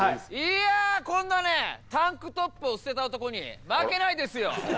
いやこんなねタンクトップを捨てた男に負けないですよ。